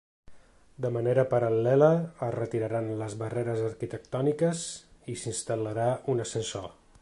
De manera paral·lela, es retiraran les barreres arquitectòniques i s’instal·larà un ascensor.